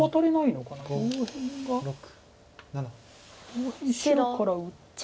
上辺白から打って。